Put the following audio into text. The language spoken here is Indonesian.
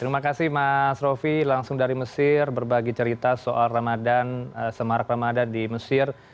terima kasih mas rofi langsung dari mesir berbagi cerita soal ramadan semarak ramadan di mesir